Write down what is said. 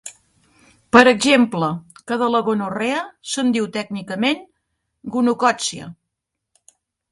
Per exemple que de la gonorrea se'n diu tècnicament gonocòccia.